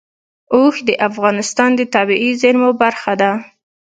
اوښ د افغانستان د طبیعي زیرمو برخه ده.